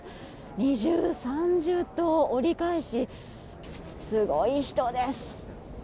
二重、三重と折り返しすごい人です。